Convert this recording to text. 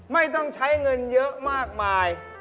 ไม่ต้องใช้เงินเยอะมากมาย